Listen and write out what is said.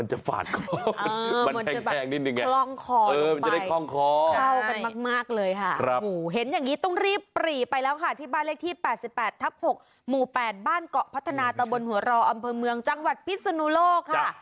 เห็นอย่างนี้ต้องรีบปรีไปแล้วค่ะที่บ้านเลขที่๘๘ทับ๖หมู่๘บ้านเกาะพัฒนาตะบนหัวรออำเภอเมืองจังหวัดพิศนุโลกค่ะ